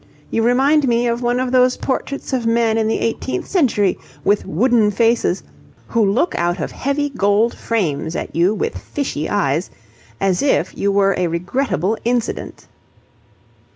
You remind me of one of those portraits of men in the eighteenth century, with wooden faces, who look out of heavy gold frames at you with fishy eyes as if you were a regrettable incident."